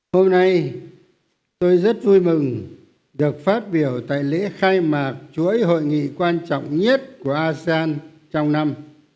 hôm nay tôi rất vui mừng được phát biểu tại lễ khai mạc chuỗi hội nghị quan trọng nhất của asean trong năm